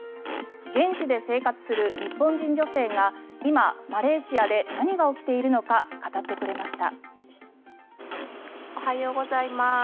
現地で生活する日本人女性が今、マレーシアで何が起きているのか語ってくれました。